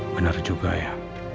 bener juga ya